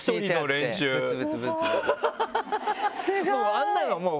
あんなのもう。